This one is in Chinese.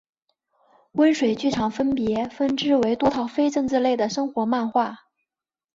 温水剧场分别分支为多套非政治类的生活漫画